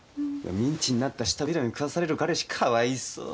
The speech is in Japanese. ミンチになった舌平目食わされる彼氏かわいそう。